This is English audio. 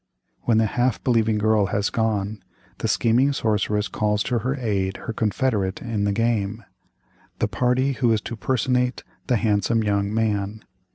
"When the half believing girl has gone, the scheming sorceress calls to her aid her confederate in the game—the party who is to personate 'the handsome young man.